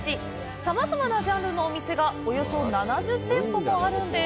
さまざまなジャンルのお店がおよそ７０店舗もあるんです。